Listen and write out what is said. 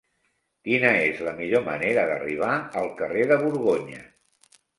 Quina és la millor manera d'arribar al carrer de Borgonya?